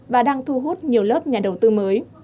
và đang thu hút nhiều lớp nhà đầu tư mới